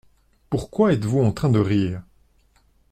Pourquoi êtes-vous en train de rire ?